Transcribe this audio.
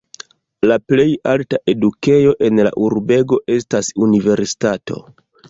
La plej alta edukejo en la urbego estas universitato.